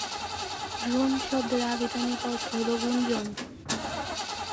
Drone শব্দের আভিধানিক অর্থ হল গুঞ্জন।